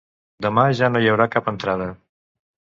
Demà ja no hi haurà cap entrada